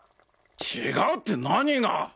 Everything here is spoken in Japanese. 違うって何が！